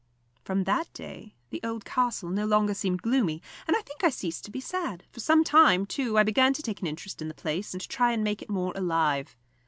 From that day the old castle no longer seemed gloomy, and I think I ceased to be sad; for some time, too, I began to take an interest in the place, and to try and make it more alive.